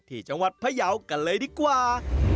ที่จังหวัดพยาวกันเลยดีกว่า